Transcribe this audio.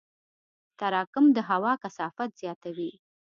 تراکم د هوا کثافت زیاتوي.